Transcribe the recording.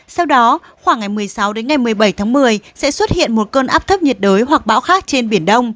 sau đó khoảng ngày một mươi sáu đến ngày một mươi bảy tháng một mươi sẽ xuất hiện một cơn áp thấp nhiệt đới hoặc bão khác trên biển đông